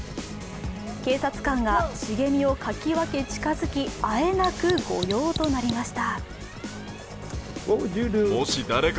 警察官が茂みをかき分け近づき、あえなく御用となりました。